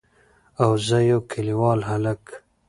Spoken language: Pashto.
او زه يو کليوال هلک.